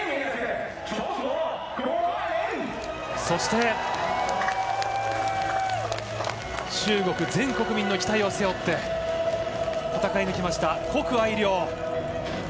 そして中国全国民の期待を背負って戦い抜きました、谷愛凌。